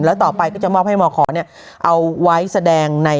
แล้วต่อไปก็จะมอบให้มขอเอาไว้แสดงใน